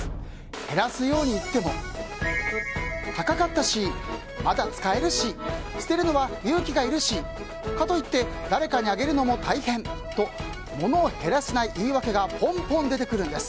減らすように言っても高かったしまだ使えるし捨てるのは勇気がいるしかといって誰かにあげるのも大変とモノを減らせない言い訳がポンポン出てくるんです。